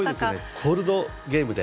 コールドゲームで。